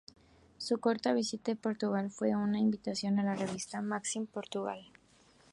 Su corta visita en Portugal fue por invitación de la revista "Maxim Portugal".